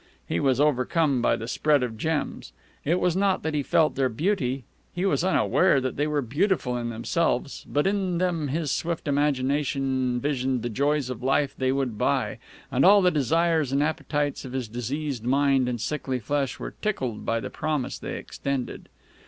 He was overcome by the spread of gems. It was not that he felt their beauty. He was unaware that they were beautiful in themselves. But in them his swift imagination visioned the joys of life they would buy, and all the desires and appetites of his diseased mind and sickly flesh were tickled by the promise they extended.